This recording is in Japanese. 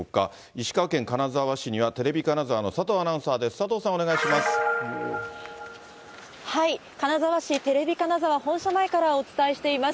石川県金沢市には、テレビ金沢の佐藤アナウンサーです。